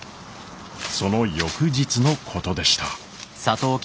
その翌日のことでした。